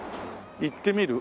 行ってみる？